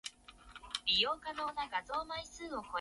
北海道釧路町